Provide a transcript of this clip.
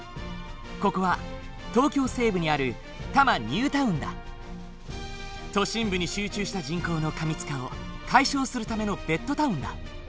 ここは東京西部にある都心部に集中した人口の過密化を解消するためのベッドタウンだ。